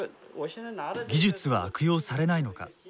技術は悪用されないのか？